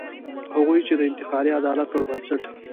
هغوی چې د انتقالي عدالت پر بنسټ.